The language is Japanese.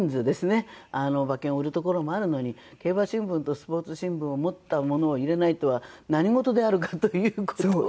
馬券を売る所もあるのに競馬新聞とスポーツ新聞を持った者を入れないとは何事であるかという事を。